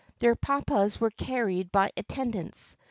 Their papas were carried by attend ants.